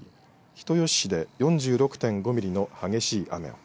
人吉市で４６．５ミリの激しい雨が。